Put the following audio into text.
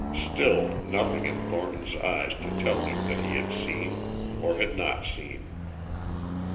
Still nothing in Thornton's eyes to tell that he had seen or had not seen.